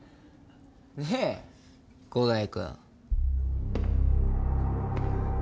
ねえ伍代君。